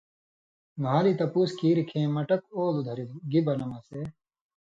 مھالی تپُوس کیریۡ کھیں مہ ٹک اولو دھرِلوۡ، گی بنم اسے۔